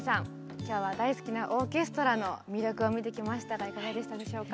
今日は大好きなオーケストラの魅力を見てきましたがいかがでしたでしょうか？